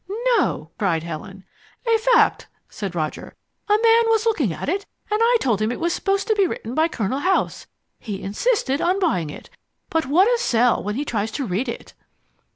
"No!" cried Helen. "A fact," said Roger. "A man was looking at it, and I told him it was supposed to be written by Colonel House. He insisted on buying it. But what a sell when he tries to read it!"